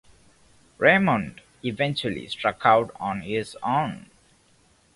Remond eventually struck out on his own.